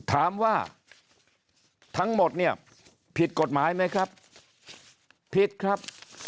ถามว่าทั้งหมดเนี่ยผิดกฎหมายไหมครับผิดครับ